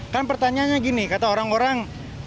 kan pertanyaannya gini kata orang orang